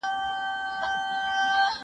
ما د سبا لپاره د يادښتونه بشپړ کړي دي!!